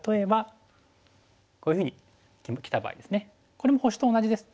これも星と同じです。